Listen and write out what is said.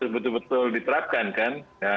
betul betul diterapkan kan